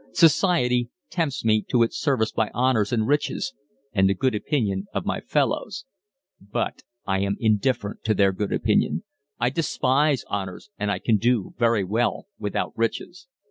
Society tempts me to its service by honours and riches and the good opinion of my fellows; but I am indifferent to their good opinion, I despise honours and I can do very well without riches."